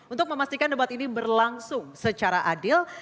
untuk memastikan debat ini berlangsung secara adil